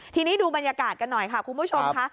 ทีนี้ดูบรรยากาศกันหน่อยค่ะคุณผู้ชมค่ะ